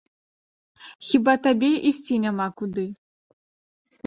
Хіба табе ісці няма куды?